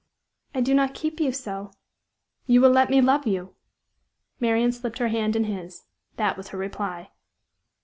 "I do not keep you so." "You will let me love you?" Marian slipped her hand in his; that was her reply.